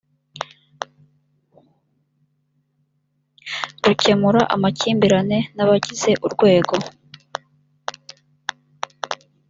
rukemura amakimbirane n abagize urwego